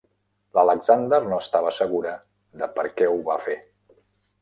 L'Alexander no estava segura de per què ho va fer.